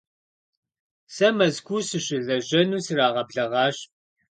Сэ Мэзкуу сыщылэжьэну срагъэблэгъащ.